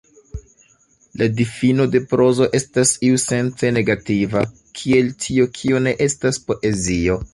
La difino de prozo estas iusence negativa, kiel tio, kio ne estas poezio.